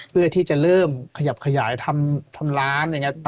เพื่อที่จะเริ่มขยับขยายทำร้านอะไรอย่างนี้